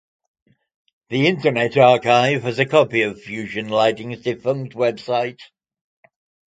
The Internet Archive has a copy of Fusion Lighting's defunct website.